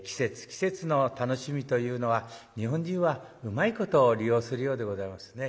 季節の楽しみというのは日本人はうまいこと利用するようでございますね。